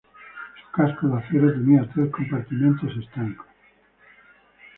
Su casco de acero tenía tres compartimientos estancos.